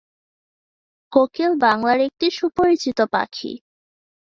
কোকিল বাংলার একটি সুপরিচিত পাখি।